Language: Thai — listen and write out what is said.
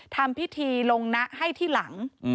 ทำพิธีลงนะให้ที่หลัง